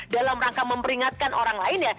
dalam rangka memperingatkan orang lain ya